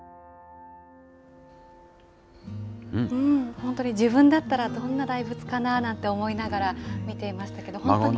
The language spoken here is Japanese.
本当に自分だったらどんな大仏かなと思いながら見ていましたけど、本当にね。